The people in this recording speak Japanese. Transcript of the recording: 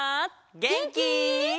げんき？